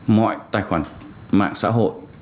mọi tài khoản mạng xã hội